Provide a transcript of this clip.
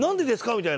みたいな。